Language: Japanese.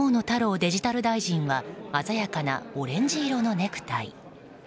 デジタル大臣は鮮やかなオレンジ色のネクタイ。